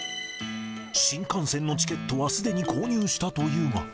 新幹線のチケットはすでに購入したというが。